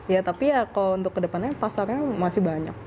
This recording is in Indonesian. ya tapi ya kalau untuk kedepannya pasarnya masih banyak